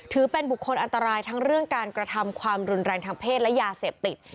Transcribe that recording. ถือเป็นบุคคลอันตรายทั้งเรื่องการกระทำความรุนแรงทางเพศและยาเสพติด